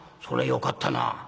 「そりゃよかったな」。